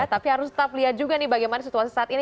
tapi harus tetap lihat juga nih bagaimana situasi saat ini